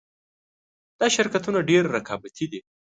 دا شرکتونه ډېر رقابتي دي